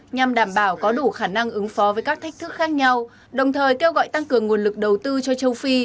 nhằm đảm bảo có đủ khả năng ứng phó với các thách thức khác nhau đồng thời kêu gọi tăng cường nguồn lực đầu tư cho châu phi